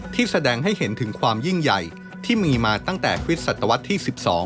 แสดงให้เห็นถึงความยิ่งใหญ่ที่มีมาตั้งแต่คริสตวรรษที่๑๒